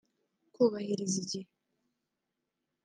kubahiriza igihe